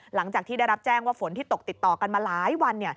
หลังจากที่ได้รับแจ้งว่าฝนที่ตกติดต่อกันมาหลายวัน